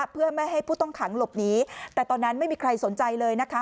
เพื่อไม่ให้ผู้ต้องขังหลบหนีแต่ตอนนั้นไม่มีใครสนใจเลยนะคะ